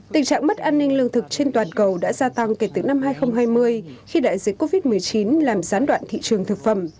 tình trạng mất an ninh lương thực trên toàn cầu đã gia tăng kể từ năm hai nghìn hai mươi khi đại dịch covid một mươi chín làm gián đoạn thị trường thực phẩm